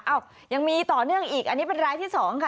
ยังมีต่อเนื่องอีกอันนี้เป็นรายที่๒ค่ะ